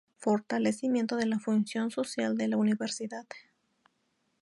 Fortalecimiento de la función social de la Universidad.